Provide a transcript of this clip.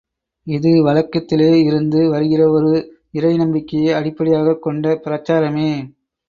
இது வழக்கத்திலே இருந்து வருகிற ஒரு இறை நம்பிக்கையை அடிப்படையாகக் கொண்ட பிரசாரமே.